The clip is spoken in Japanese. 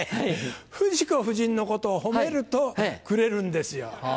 冨士子夫人のことを褒めるとくれるんですよ。